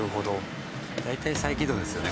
大体再起動ですよね